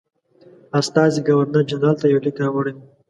استازي ګورنرجنرال ته یو لیک راوړی وو.